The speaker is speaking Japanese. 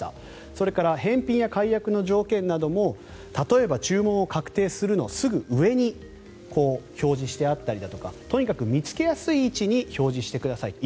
それから返品や解約の条件なども例えば注文を確定するのすぐ上に表示してあったりとかとにかく見つけやすい位置に表示してくださいと。